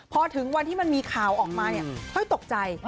พอถึงวันที่มันมีข่าวออกมาเนี่ยค่อยตกใจ